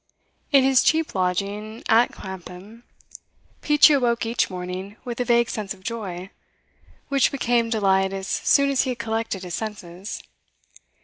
In his cheap lodging at Clapham, Peachey awoke each morning with a vague sense of joy, which became delight as soon as he had collected his senses.